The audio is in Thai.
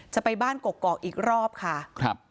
จะไปบ้านกกอกอีกรอบค่ะครับ